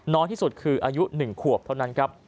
น้อยที่สุดคืออายุ๑ขวบเท่านั้นครับ